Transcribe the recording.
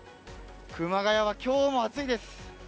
熊谷は今日も暑いです。